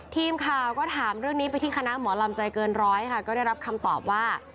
ทีมข่าวก็ถามเรื่องนี้ไปที่คณะหมอลำใจเกินร้อยค่ะก็ได้รับคำตอบว่า